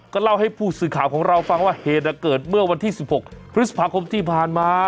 ก็เล่าให้ผู้สื่อข่าวของเราฟังว่าเหตุเกิดเมื่อวันที่๑๖พฤษภาคมที่ผ่านมา